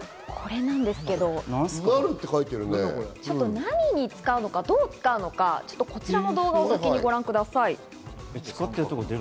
何にどう使うのか、こちらの動画をまずはご覧ください。